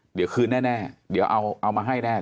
เดี๋ยวคืนแน่เดี๋ยวเอามาให้แน่